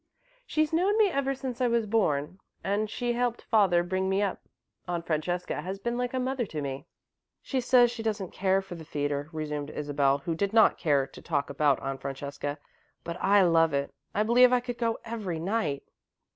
She's known me ever since I was born and she helped father bring me up. Aunt Francesca has been like a mother to me." "She says she doesn't care for the theatre," resumed Isabel, who did not care to talk about Aunt Francesca, "but I love it. I believe I could go every night."